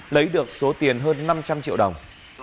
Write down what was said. lấy được số tiền hơn năm trăm linh triệu đồng